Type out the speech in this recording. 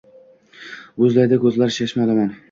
Boʻzlaydi koʻzlari chashma olomon.